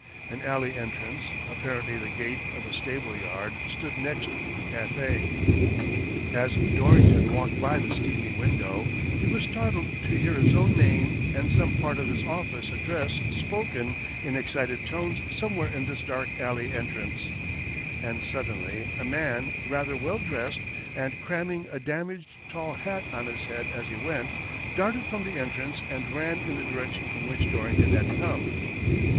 An alley entrance — apparently the gate of a stable yard — stood next the cafe. As Dorrington walked by the steamy window, he was startled to hear his own name and some part of his office address spoken in excited tones somewhere in this dark alley entrance ; and suddenly a man rather well dressed, and cramming a damaged tall hat on his head as he went, darted from the entrance and ran in the direction from which Dorrington had come.